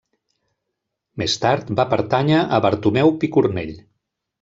Més tard va pertànyer a Bartomeu Picornell.